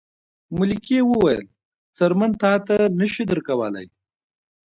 ملکې وویل څرمن تاته نه شي درکولی.